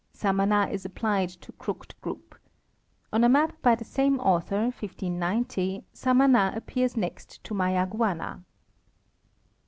Samana is applied to Crooked group. Ona map by the same author, 1590, Samana appears next to Mayaguana.